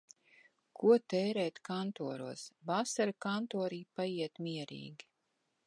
Ko tērēt kantoros. Vasara kantorī paiet mierīgi.